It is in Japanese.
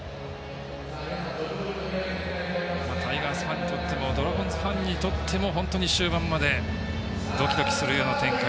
タイガースファンにとってもドラゴンズファンにとっても本当に終盤までドキドキするような展開。